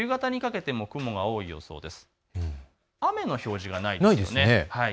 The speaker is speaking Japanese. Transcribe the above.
夕方にかけても雲が多い予想です。